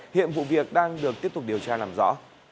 hiện vụ việc đang được tiếp tục điều tra làm rõ